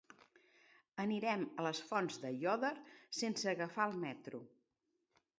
Anirem a les Fonts d'Aiòder sense agafar el metro.